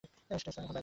টেসা, এখন বাইরে।